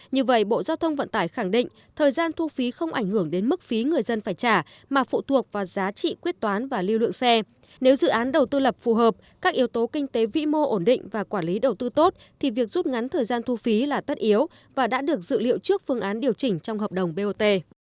như vậy bộ giao thông vận tải khẳng định thời gian thu phí không ảnh hưởng đến mức phí người dân phải trả mà phụ thuộc vào giá trị quyết toán và lưu lượng xe nếu dự án đầu tư lập phù hợp các yếu tố kinh tế vĩ mô ổn định và quản lý đầu tư tốt thì việc rút ngắn thời gian thu phí là tất yếu và đã được dự liệu trước phương án điều chỉnh trong hợp đồng bot